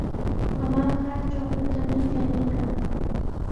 Mamaaqa chuqllutami yanuykan.